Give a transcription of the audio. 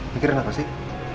pikirin apa sih